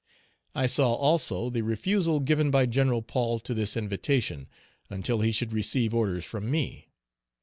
I saw also the refusal given by Gen. Paul to this invitation, until he should receive orders from me.